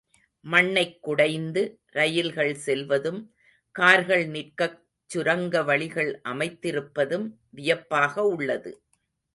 மண்ணைக் குடைந்து ரயில்கள் செல்வதும், கார்கள் நிற்கச் சுரங்க வழிகள் அமைத்திருப்பதும் வியப்பாக உள்ளது.